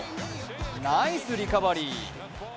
ナイスリカバリー。